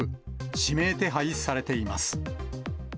指名手配されています。